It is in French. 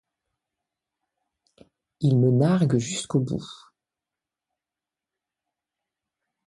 Il me nargue jusqu’au bout.